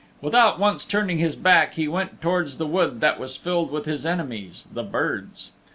Without once turning his back he went towards the wood that was filled with his enemies, the birds.